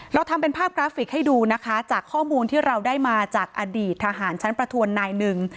เราทำเป็นภาพกราฟิกให้ดูนะคะจากข้อมูลที่เราได้มาจากอดีตทหารชั้นประทวนนายหนึ่ง